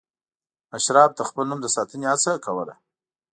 اشراف د خپل نوم د ساتنې هڅه کوله.